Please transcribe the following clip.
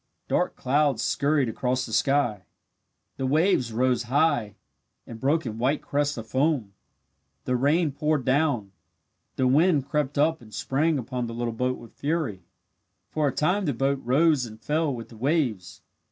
Dark clouds scurried across the sky. The waves rose high and broke in white crests of foam. The rain poured down. The wind crept up and sprang upon the little boat with fury. For a time the boat rose and fell with the waves.